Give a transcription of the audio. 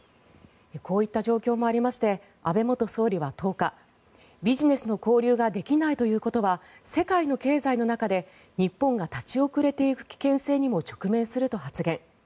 こういった状況もありまして安倍元総理は１０日ビジネスの交流ができないということは世界の経済の中で日本が立ち遅れていく危険性にも直面すると発言。